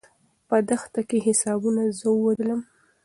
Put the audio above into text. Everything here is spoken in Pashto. په دښته کې حسابونو زه ووژلم.